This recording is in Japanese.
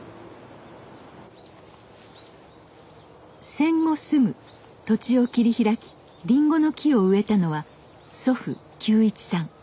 戦後すぐ土地を切り開きりんごの木を植えたのは祖父久一さん。